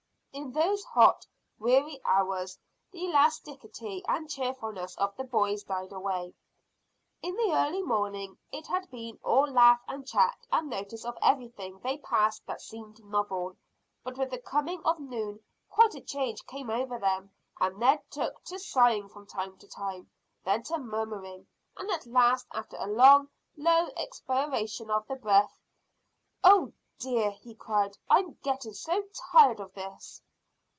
In those hot, weary hours the elasticity and cheerfulness of the boys died away. In the early morning it had been all laugh and chat and notice of everything they passed that seemed novel, but with the coming of noon quite a change came over them, and Ned took to sighing from time to time, then to murmuring, and at last after a long, low expiration of the breath "Oh dear," he cried, "I am getting so tired of this!"